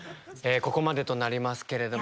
ここまでとなりますけれども。